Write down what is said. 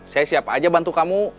saya siapa aja bantu kamu